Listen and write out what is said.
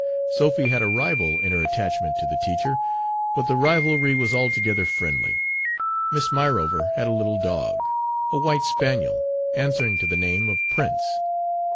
Sophy had a rival in her attachment to the teacher, but the rivalry was altogether friendly. Miss Myrover had a little dog, a white spaniel, answering to the name of Prince.